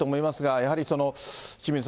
やはり清水さん